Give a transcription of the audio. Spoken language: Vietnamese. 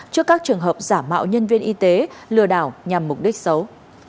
trước các trường hợp giả mạo nhân viên y tế lừa đảo nhằm mục đích xấu